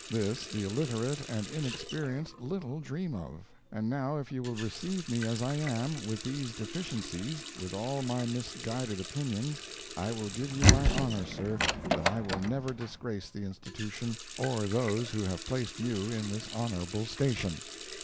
This the illiterate and inexperienced little dream of; and now if you will receive me as I am, with these deficiencies with all my misguided opinions, I will give you my honor, sir, that I will never disgrace the Institution, or those who have placed you in this honorable station."